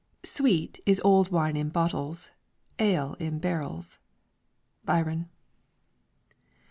Sweet is old wine in bottles, ale in barrels. BYRON.